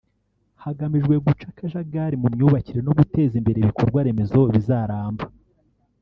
hagamijwe guca akajagari mu myubakire no guteza imbere ibikorwa remezo bizaramba